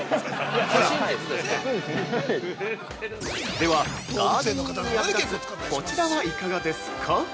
では、ガーデニングに役立つこちらはいかがですか。